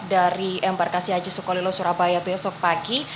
dari embarkasi haji sukolilo surabaya besok pagi